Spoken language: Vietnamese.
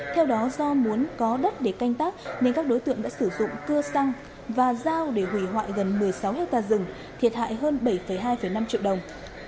theo đó do muốn có đất để canh tác nên các đối tượng đã sử dụng cưa xăng và dao để hủy hoại gần một mươi sáu hectare rừng thiệt hại hơn bảy hai năm triệu đồng